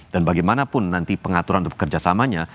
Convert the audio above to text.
dan bagaimanapun nanti pengaturan untuk kerjasamanya